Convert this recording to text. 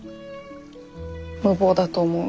無謀だと思う？